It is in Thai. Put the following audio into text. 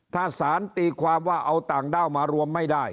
ถ้าสารตีความว่าเอาต่างด้าวมารวมไม่ได้